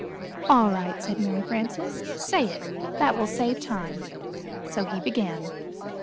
"All right," said Mary Frances, "say it that will save time." So he began.